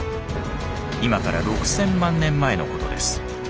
今から６，０００万年前のことです。